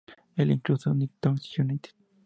E incluso Nicktoons Unite!